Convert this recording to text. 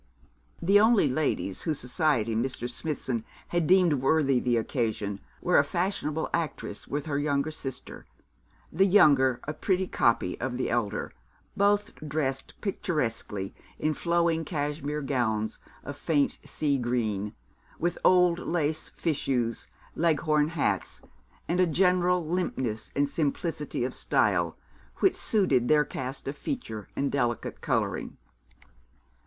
The only ladies whose society Mr. Smithson had deemed worthy the occasion were a fashionable actress, with her younger sister, the younger a pretty copy of the elder, both dressed picturesquely in flowing cashmere gowns of faint sea green, with old lace fichus, leghorn hats, and a general limpness and simplicity of style which suited their cast of feature and delicate colouring.